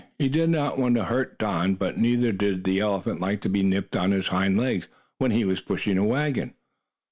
He did not want to hurt Don, but neither did the elephant like to be nipped on his hind legs, when he was pushing a wagon.